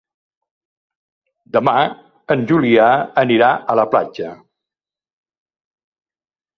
Demà en Julià anirà a la platja.